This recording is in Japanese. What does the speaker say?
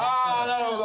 なるほど。